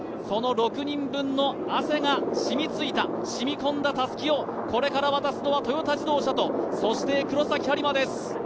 その６人分の汗が染み付いた、染み込んだたすきをこれから渡すのはトヨタ自動車と黒崎播磨です。